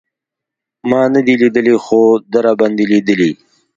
ما نه دی لېدلی خو ده راباندې لېدلی.